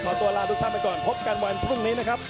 ตัวลาทุกท่านไปก่อนพบกันวันพรุ่งนี้นะครับ